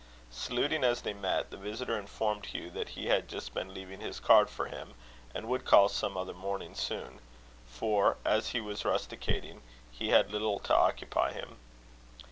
Saluting as they met, the visitor informed Hugh that he had just been leaving his card for him, and would call some other morning soon; for, as he was rusticating, he had little to occupy him.